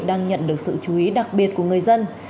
đang nhận được sự chú ý đặc biệt của người dân